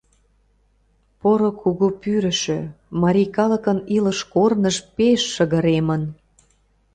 — Поро Кугу Пӱрышӧ, марий калыкын илыш-корныж пеш шыгыремын.